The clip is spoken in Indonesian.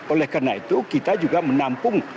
oleh karena itu kita juga menampung